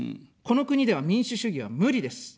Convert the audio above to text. この国では民主主義は無理です。